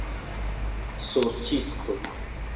Sorĉisto!